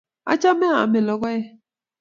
Achame ame logoek.